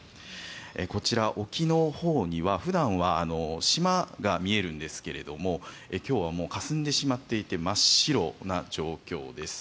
こちら、沖のほうには普段は島が見えるんですが今日はかすんでしまっていて真っ白な状況です。